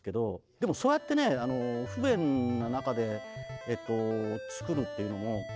でもそうやってね不便な中で作るっていうのもあ！